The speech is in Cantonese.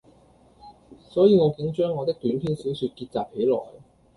所以我竟將我的短篇小說結集起來，